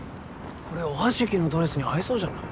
これおはじきのドレスに合いそうじゃない？